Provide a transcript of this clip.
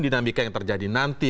dinamika yang terjadi nanti